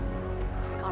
suara aku hilang